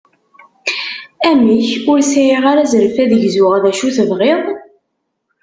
Amek! Ur sɛiɣ ara azref ad gzuɣ d acu tebɣiḍ?